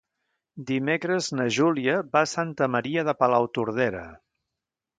Dimecres na Júlia va a Santa Maria de Palautordera.